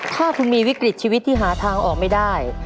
ถ้าคุณมีวิกฤตชีวิตที่หาทางออกไม่ได้